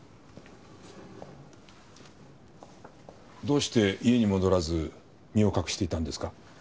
どうして家に戻らず身を隠していたんですか？